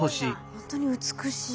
ほんとに美しい。